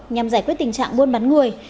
nhằm giải quyết tình trạng buôn bắn người